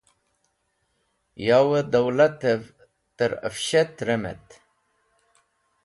Yawẽ dowlatẽv tẽr afsht rememẽt.